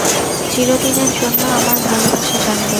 চিরদিনের জন্য আমার ভালবাসা জানবে।